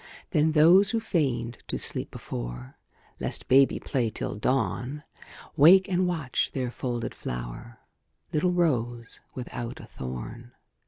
Then those who feigned to sleep before, Lest baby play till dawn, Wake and watch their folded flower Little rose without a thorn.